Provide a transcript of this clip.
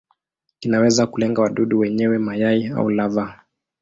Kinaweza kulenga wadudu wenyewe, mayai au lava.